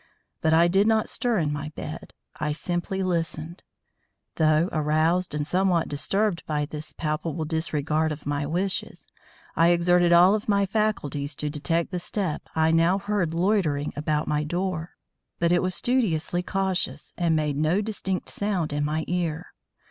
But I did not stir in my bed; I simply listened. Though aroused and somewhat disturbed by this palpable disregard of my wishes, I exerted all of my faculties to detect the step I now heard loitering about my door. But it was studiously cautious and made no distinct sound in my ear.